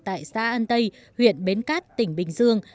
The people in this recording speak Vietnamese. tại xã an tây huyện bến cát tỉnh bình dương